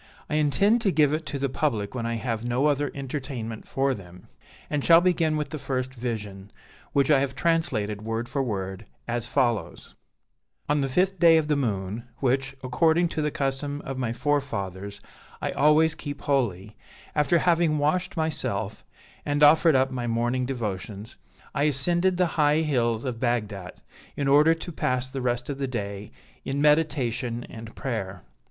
I intend to give it to the public when I have no other entertainment for them; and shall begin with the first Vision, which I have translated word for word, as follows: "On the fifth day of the moon, which, according to the custom of my forefathers, I always keep holy, after having washed myself, and offered up my morning devotions, I ascended the high hills of Bagdat, in order to pass the rest of the day in meditation and prayer.